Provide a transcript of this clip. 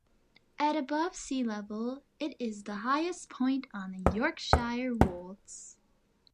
At above sea level, it is the highest point on the Yorkshire Wolds.